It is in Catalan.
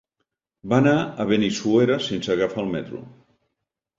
Va anar a Benissuera sense agafar el metro.